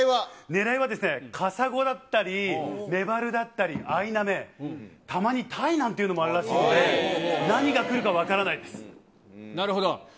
ねらいはですね、カサゴだったり、メバルだったり、アイナメ、たまにタイなんていうのもあるらしいので、何が来るか分からないなるほど。